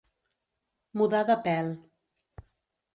Mudar de pèl.